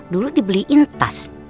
dulu dibeliin tas